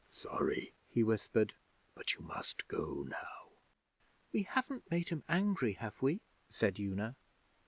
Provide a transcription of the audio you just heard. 'Sorry,' he whispered, 'but you must go now.' 'We haven't made him angry, have we?' said Una.